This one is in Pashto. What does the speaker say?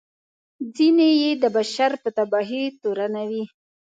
ځینې یې د بشر په تباهي تورنوي.